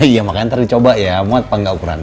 iya makanya nanti dicoba ya mau apa nggak ukuran